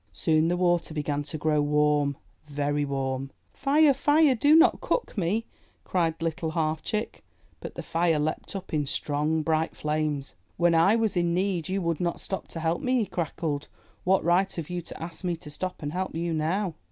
Soon the water began to grow warm, very warm. 'Tire! Fire! Do not cook me!" cried Little Half Chick. But the Fire leaped up in strong, bright flames. '*When I was in need, you would not stop to help me!'' he crackled. *'What right have you to ask me to stop and help you now?''